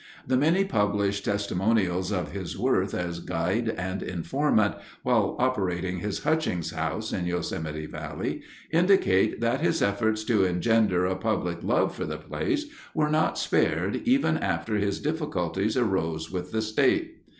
The many published testimonials of his worth as guide and informant while operating his Hutchings House in Yosemite Valley indicate that his efforts to engender a public love for the place were not spared even after his difficulties arose with the state.